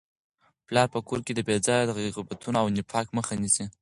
پلار په کور کي د بې ځایه غیبتونو او نفاق مخه نیسي.